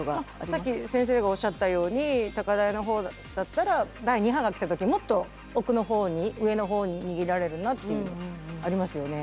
さっき先生がおっしゃったように高台のほうだったら第２波が来た時もっと奥のほうに上のほうに逃げられるなっていうのありますよね。